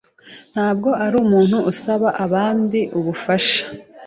ntabwo arumuntu usaba abandi ubufasha.